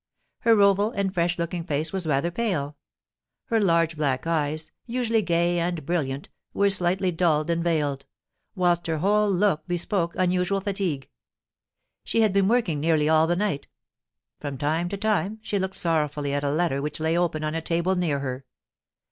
Her oval and fresh looking face was rather pale; her large black eyes, usually gay and brilliant, were slightly dulled and veiled; whilst her whole look bespoke unusual fatigue. She had been working nearly all the night; from time to time she looked sorrowfully at a letter which lay open on a table near her.